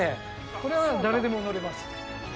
これは誰でも乗れます。